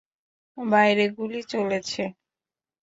বাইরে গুলি চলেছে!